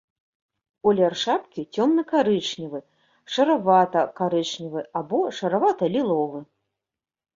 Колер шапкі цёмна-карычневы, шаравата-карычневы або шаравата-ліловы.